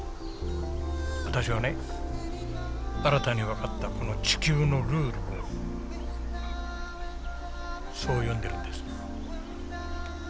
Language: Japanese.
私はね新たに分かったこの地球のルールをそう呼んでるんです。